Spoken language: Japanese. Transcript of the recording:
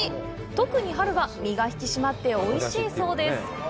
特に春は身が引き締まっておいしいそうです。